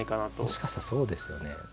もしかしたらそうですよね。